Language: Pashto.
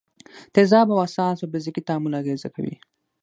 تیزاب او اساس په فزیکي تعامل اغېزه کوي.